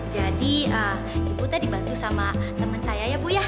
jadi ibu tadi bantu sama temen saya ya bu ya